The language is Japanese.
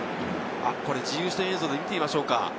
自由視点映像で見てみましょう。